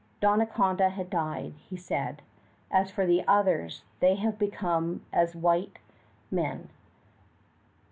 Donnacona had died, he said; as for the others, they have become as white men.